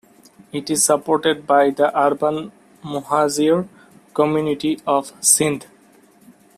It is supported by the urban Muhajir community of Sindh.